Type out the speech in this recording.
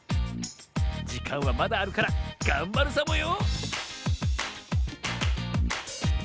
じかんはまだあるからがんばるサボよ